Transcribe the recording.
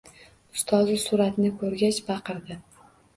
Ustozi suratni ko’rgach baqirdi